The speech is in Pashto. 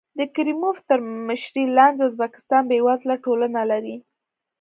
د کریموف تر مشرۍ لاندې ازبکستان بېوزله ټولنه لري.